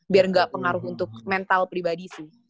biar nggak pengaruh untuk mental pribadi sih